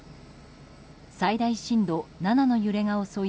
最大震度７の揺れが襲い